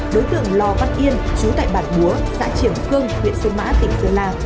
đối tượng lò văn yên trú tại bản búa xã triềm cương huyện sơn mã tỉnh sơn la